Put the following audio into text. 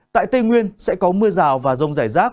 tại tây nguyên sẽ có mưa rào và rông rải rác